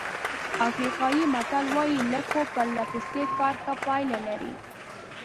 افریقایي متل وایي لږ خو پرله پسې کار ښه پایله لري.